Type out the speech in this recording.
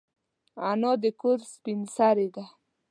انا د کور سپین سرې ده